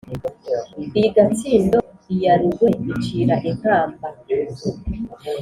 iy’i gatsindo, iya rugwe incira inkamba.